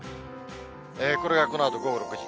これがこのあと午後６時。